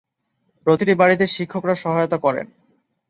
প্রতিটি বাড়িতে শিক্ষকরা সহায়তা করেন।